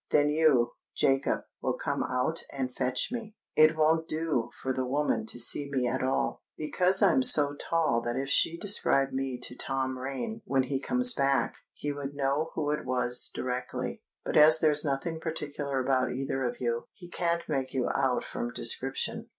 Then you, Jacob, will come out and fetch me. It won't do for the woman to see me at all, because I'm so tall that if she described me to Tom Rain when he comes back, he would know who it was directly; but as there's nothing particular about either of you, he can't make you out from description."